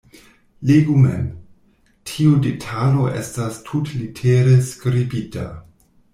Legu mem: tiu detalo estas tutlitere skribita.